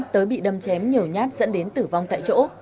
tới bị đâm chém nhiều nhát dẫn đến tử vong tại chỗ